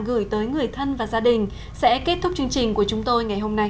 gửi tới người thân và gia đình sẽ kết thúc chương trình của chúng tôi ngày hôm nay